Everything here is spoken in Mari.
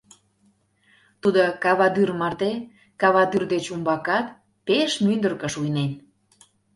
Тудо кавадӱр марте, кавадӱр деч умбакат - пеш мӱндыркӧ шуйнен.